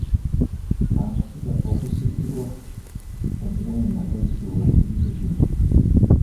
Amasiga okusiikirwa omuwemba gayitibwa Ebibegeya.